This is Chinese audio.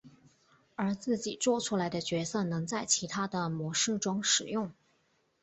而自己作出来的角色能在其他的模式中使用。